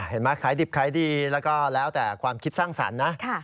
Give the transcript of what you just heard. เห็นไหมขายดิบขายดีแล้วก็แล้วแต่ความคิดสร้างสรรค์นะ